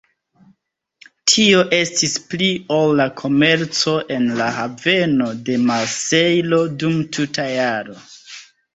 Tio estis pli ol la komerco en la haveno de Marsejlo dum tuta jaro.